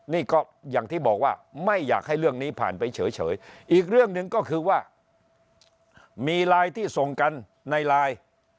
นี่ก็อย่างที่บอกว่าไม่อยากให้เรื่องนี้ผ่านไปเฉยอีกเรื่องหนึ่งก็คือว่ามีไลน์ที่ส่งกันในไลน์